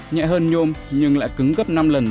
nhẹ hơn nhôm nhưng lại cứng gấp năm lần